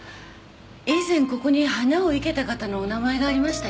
以前ここに花を生けた方のお名前がありましたよね？